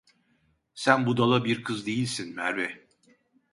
Sen budala bir kız değilsin, Merve.